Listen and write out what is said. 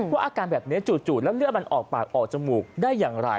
อาการแบบนี้จู่แล้วเลือดมันออกปากออกจมูกได้อย่างไร